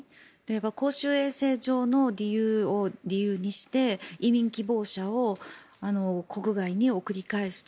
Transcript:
公衆衛生上の理由にして移民希望者を国外に送り返すと。